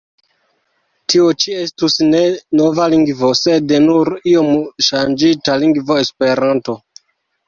Tio ĉi estus ne nova lingvo, sed nur iom ŝanĝita lingvo Esperanto!